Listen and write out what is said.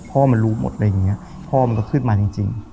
พ่อมันรู้หมดอะไรอย่างนี้พ่อมันก็ขึ้นมาจริง